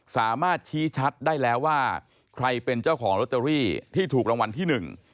สามารถชี้ชัดได้แล้วว่าใครเป็นเจ้าของลอตเตอรี่ที่ถูกรางวัลที่หนึ่ง